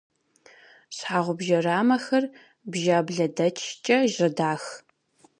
Щхьэгъубжэ рамэхэр бжаблэдэчкӏэ жьэдах.